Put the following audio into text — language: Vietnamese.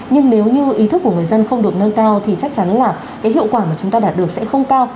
nhưng nếu như ý thức của người dân không được nâng cao thì chắc chắn là cái hiệu quả mà chúng ta đạt được sẽ không cao